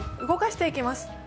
動かしていきます。